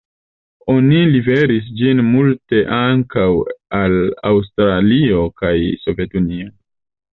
Oni liveris ĝin multe ankaŭ al Aŭstralio kaj Sovetunio.